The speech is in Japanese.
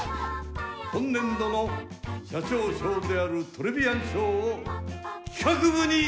今年度の社長賞であるトレビアン賞を企画部に授与します。